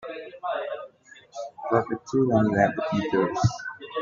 Drop the two when you add the figures.